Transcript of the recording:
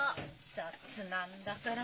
雑なんだから。